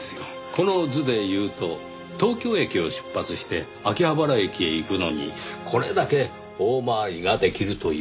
この図でいうと東京駅を出発して秋葉原駅へ行くのにこれだけ大回りができるというわけですよ。